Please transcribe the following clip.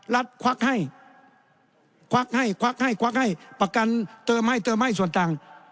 ควักให้ควักให้ควักให้ควักให้ประกันเติมให้เติมให้ส่วนต่าง